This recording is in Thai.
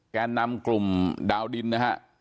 แกนนำกลุ่มดาวดินนะฮะ